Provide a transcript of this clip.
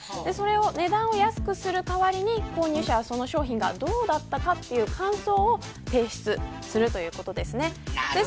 値段を安くする代わりにその商品がどうだったかという感想を提出するということです。